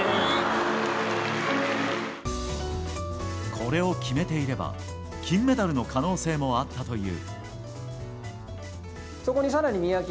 これを決めていれば金メダルの可能性もあったという。